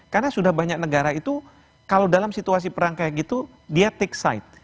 karena sudah banyak negara itu kalau dalam situasi perang kayak gitu dia take side